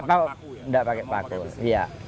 tidak pakai paku iya